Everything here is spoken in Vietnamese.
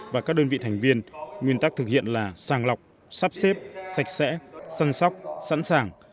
và các đơn vị thành viên nguyên tắc thực hiện là sàng lọc sắp xếp sạch sẽ săn sóc sẵn sàng